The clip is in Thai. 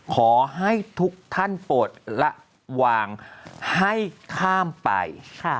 ขอให้ทุกท่านโปรดและวางให้ข้ามไป